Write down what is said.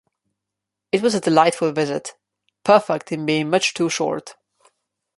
It was a delightful visit; perfect in being much too short.